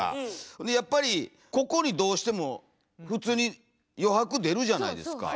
でやっぱりここにどうしても普通に余白出るじゃないですか。